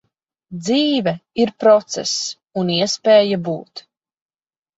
Dzīve ir process un iespēja būt.